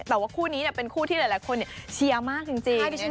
แต่ว่าคู่นี้เป็นคู่ที่หลายคนเชียร์มากจริง